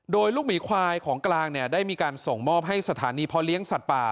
โดยลูกหมีควายของกลางเนี่ยได้มีการส่งมอบให้สถานีพ่อเลี้ยงสัตว์ป่า